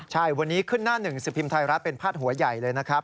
ใช่วันนี้ขึ้นหน้าหนึ่งสิบพิมพ์ไทยรัฐเป็นพาดหัวใหญ่เลยนะครับ